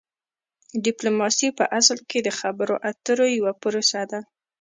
ډیپلوماسي په اصل کې د خبرو اترو یوه پروسه ده